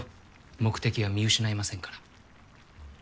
目的は見失いませんから。